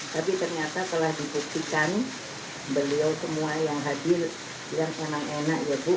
tapi ternyata telah dibuktikan beliau semua yang hadir yang senang enak ya bu